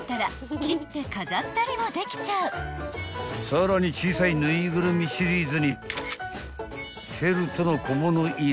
［さらに小さい縫いぐるみシリーズにフェルトの小物入れ］